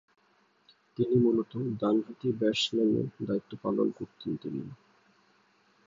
তিনি মূলতঃ ডানহাতি ব্যাটসম্যানের দায়িত্ব পালন করতেন তিনি।